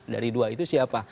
dari dua itu siapa